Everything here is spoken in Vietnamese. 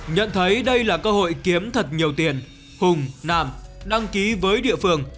nhận thấy đây là cơ hội kiếm thật nhiều tiền hùng nam đăng ký với địa phương